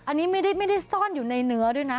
อันนี้ไม่ได้ซ่อนอยู่ในเนื้อด้วยนะ